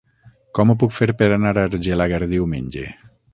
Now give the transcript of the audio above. Com ho puc fer per anar a Argelaguer diumenge?